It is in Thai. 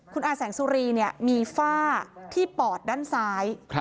คุณอาแสงสุรีมีฝ้าที่ปอดด้านซ้าย